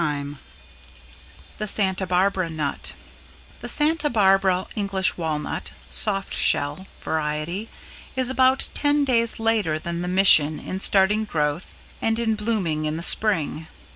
[Sidenote: =The Santa Barbara Nut=] The Santa Barbara English Walnut (soft shell) variety is about ten days later than the Mission in starting growth and in blooming in the Spring.